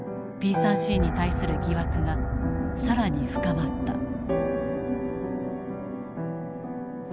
Ｐ３Ｃに対する疑惑が更に深まった。